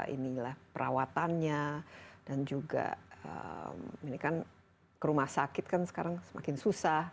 inilah perawatannya dan juga ini kan ke rumah sakit kan sekarang semakin susah